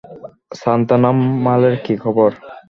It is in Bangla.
সান্থানাম, মালের কী খবর?